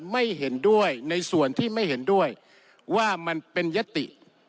ไม่เห็นด้วยในส่วนที่ไม่เห็นด้วยว่ามันเป็นยติ